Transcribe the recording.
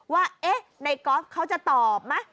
ว่าเอ๊ะในก๊อฟเขาจะตอบมั้ย